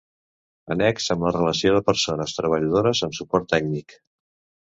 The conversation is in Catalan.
Annex amb la relació de persones treballadores amb suport tècnic.